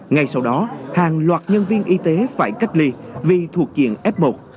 ngay sau đó hàng loạt nhân viên y tế phải cách ly vì thuộc diện f một